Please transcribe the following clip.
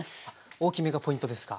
大きめがポイントですか？